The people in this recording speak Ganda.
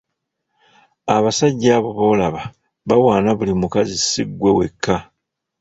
Abasajja abo b’olaba bawaana buli mukazi si ggwe wekka.